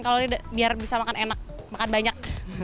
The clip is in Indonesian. kalau ini biar bisa makan enak makan banyak